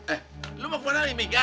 eh lu mau kemana hari ini kan